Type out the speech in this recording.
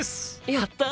やった！